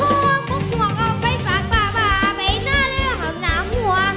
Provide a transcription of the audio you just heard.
หัวบกพวกเอาไปปากป่าป่าไปน่ารักหน่าหัว